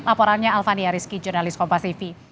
aporannya alvan yarisky jurnalis kompas tv